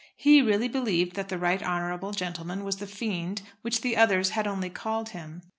He really believed that the Right Honourable gentleman was the fiend which the others had only called him.